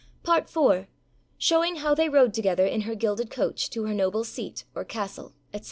PART IV. SHOWING HOW THEY RODE TOGETHER IN HER GILDED COACH TO HER NOBLE SEAT, OR CASTLE, ETC.